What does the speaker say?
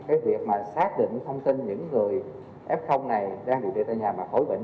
cái việc mà xác định thông tin những người f này đang bị tựa tại nhà mà khói bệnh